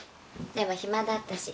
でも暇だったし。